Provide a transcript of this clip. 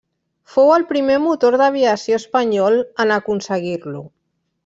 Fou el primer motor d'aviació espanyol en aconseguir-lo.